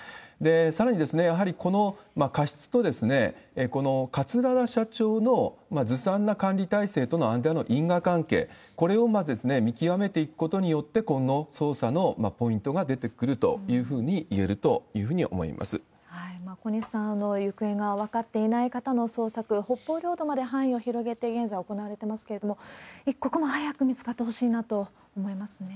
さらに、やはりこの過失と、桂田社長のずさんな管理体制との間の因果関係、これをまず見極めていくことによって、今後、捜査のポイントが出てくるというふうにいえるというふうに思いま小西さん、行方が分かっていない方の捜索、北方領土まで範囲を広げて、現在行われていますけれども、一刻も早く見つかってほしいなと思いますね。